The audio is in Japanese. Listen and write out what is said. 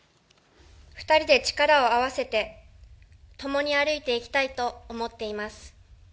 ２人で力を合わせて共に歩いていきたいと思っています。